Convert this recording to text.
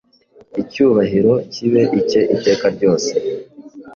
Icyubahiro kibe icye iteka ryose.”